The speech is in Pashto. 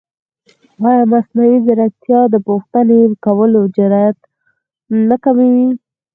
ایا مصنوعي ځیرکتیا د پوښتنې کولو جرئت نه کموي؟